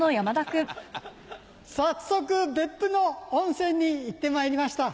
早速別府の温泉に行ってまいりました。